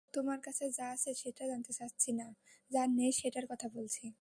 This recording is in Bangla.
তোমার কাছে যা আছে সেটা জানতে চাচ্ছি না, যা নেই সেটার কথা বলছি।